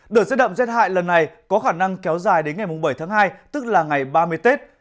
đợt rét đậm rét hại lần này có khả năng kéo dài đến ngày bảy tháng hai tức là ngày ba mươi tết